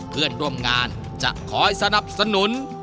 เพื่อนร่วมงานจะคอยสนับสนุน